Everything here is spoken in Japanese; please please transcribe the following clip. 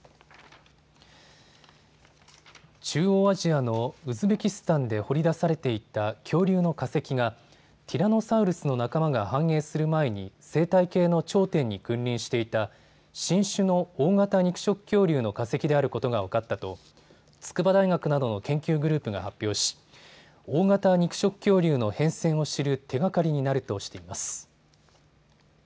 中央アジアのウズベキスタンで掘り出されていた恐竜の化石がティラノサウルスの仲間が繁栄する前に生態系の頂点に君臨していた新種の大型肉食恐竜の化石であることが分かったと筑波大学などの研究グループが発表し大型肉食恐竜の変遷を知る手がかりになるとしています。